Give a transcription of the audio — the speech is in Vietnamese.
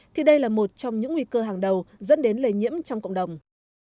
thì đây là một trong những nguy cơ hàng đầu dẫn đến lây nhiễm trong cộng đồng